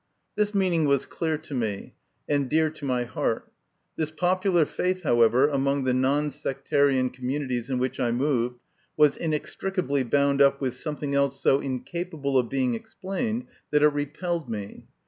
This meaning was clear to me, and dear to my heart. This popular faith, however, among the non sectarian communities in which I moved, was inextricably bound up with some thing else so incapable of being explained that it repelled me.